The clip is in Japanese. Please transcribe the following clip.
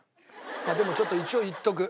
でもちょっと一応言っとく。